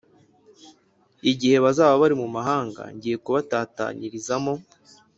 igihe bazaba bari mu mahanga ngiye kubatatanyirizamo